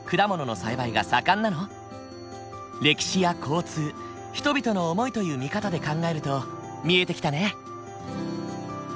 歴史や交通人々の想いという見方で考えると見えてきたね。